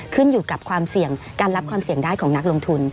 ขึ้นอยู่กับความเสี่ยงการรับความเสี่ยงได้ของนักลงทุน